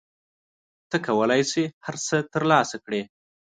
ته کولای شې هر څه ترلاسه کړې.